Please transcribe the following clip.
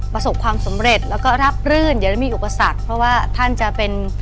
ประสบความสำเร็จแล้วก็รับรื่นจะได้มีอุปสรรคเพราะว่าท่านจะเป็น